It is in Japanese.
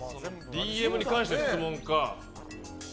ＤＭに関しての質問か。